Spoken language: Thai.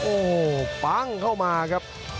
โอ้โหปั้งเข้ามาครับ